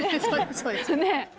そうですよ。